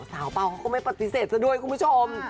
เปล่าเขาก็ไม่ปฏิเสธซะด้วยคุณผู้ชม